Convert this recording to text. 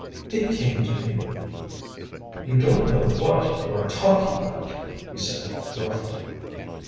"It came to me." "You don't know what you are talking about," he said roughly.